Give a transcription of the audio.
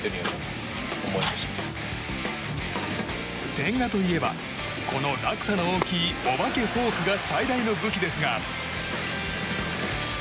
千賀といえばこの落差の大きいお化けフォークが最大の武器ですが。